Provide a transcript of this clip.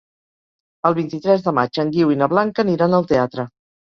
El vint-i-tres de maig en Guiu i na Blanca aniran al teatre.